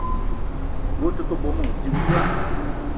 Ngue ute ke bónbô, dím ndwan